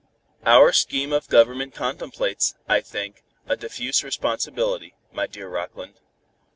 "Our scheme of Government contemplates, I think, a diffuse responsibility, my dear Rockland.